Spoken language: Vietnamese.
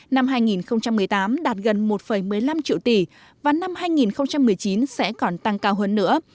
năm hai nghìn một mươi tám đạt gần một một mươi năm triệu tỷ và năm hai nghìn một mươi chín sẽ còn tăng cao hơn nữa